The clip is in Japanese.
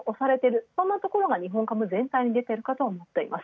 そんなところが日本株全体に出ています。